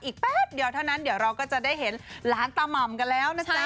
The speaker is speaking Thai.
แป๊บเดียวเท่านั้นเดี๋ยวเราก็จะได้เห็นหลานตาม่ำกันแล้วนะจ๊ะ